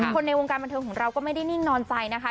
ในวงการบันเทิงของเราก็ไม่ได้นิ่งนอนใจนะคะ